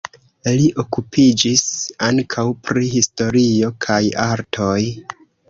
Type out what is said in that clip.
Li okupiĝis ankaŭ pri historio kaj artoj.